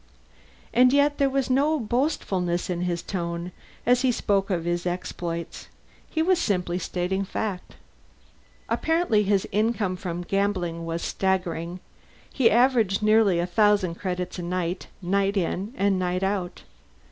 And yet there was no boastfulness in his tone as he spoke of his exploits; he was simply stating facts. Apparently his income from gambling was staggering; he averaged nearly a thousand credits a night, night in and night out.